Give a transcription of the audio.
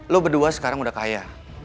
lo berdua sekarang udah kaya